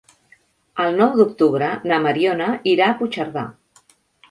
El nou d'octubre na Mariona irà a Puigcerdà.